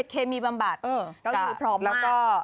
เคมีบำบัดต้องอยู่พร้อมมาก